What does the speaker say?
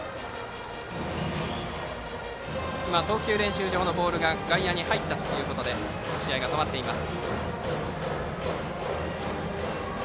投球練習場のボールが外野に入ったということで試合が止まっています。